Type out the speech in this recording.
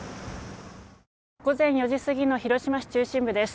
午前４時すぎの広島市中心部です